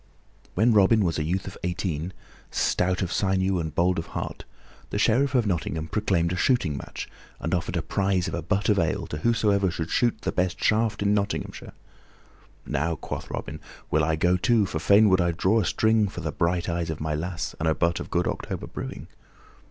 When Robin was a youth of eighteen, stout of sinew and bold of heart, the Sheriff of Nottingham proclaimed a shooting match and offered a prize of a butt of ale to whosoever should shoot the best shaft in Nottinghamshire. "Now," quoth Robin, "will I go too, for fain would I draw a string for the bright eyes of my lass and a butt of good October brewing."